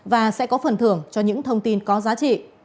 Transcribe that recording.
và sẽ có phần thưởng cho những thông tin có giá trị